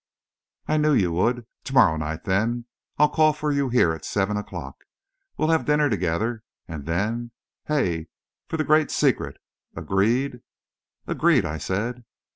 "I knew you would! To morrow night, then I'll call for you here at seven o'clock. We'll have dinner together and then, hey for the great secret! Agreed?" "Agreed!" I said.